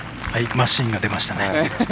マシーンが出ましたね。